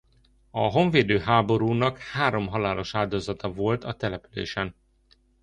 A honvédő háborúnak három halálos áldozata volt a településen.